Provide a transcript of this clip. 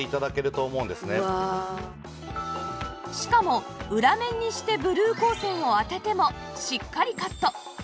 しかも裏面にしてブルー光線を当ててもしっかりカット